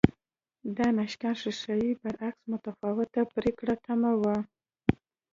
د ناشکن ښیښې برعکس متفاوته پرېکړه تمه وه